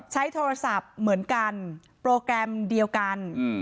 ใช้โทรศัพท์เหมือนกันโปรแกรมเดียวกัน